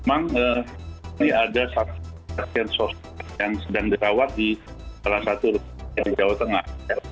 memang ini ada satu persen sosial yang sedang dirawat di salah satu ruang jawa tengah